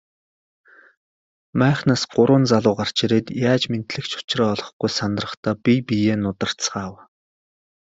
Майхнаас гурван залуу гарч ирээд яаж мэндлэх ч учраа олохгүй сандрахдаа бие биеэ нударцгаав.